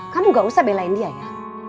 kamu gak usah belain dia ya